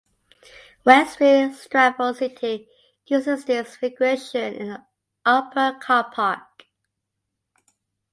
Westfield Stratford City uses this configuration in the Upper car park.